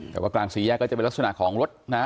แต่ว่ากลางสี่แยกก็จะเป็นลักษณะของรถนะ